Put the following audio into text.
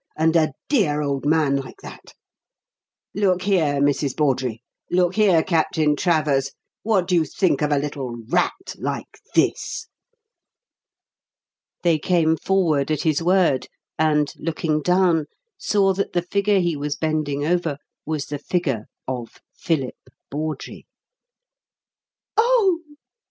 And a dear old man like that! Look here, Mrs. Bawdrey; look here Captain Travers; what do you think of a little rat like this?" They came forward at his word, and, looking down, saw that the figure he was bending over was the figure of Philip Bawdrey. "Oh!"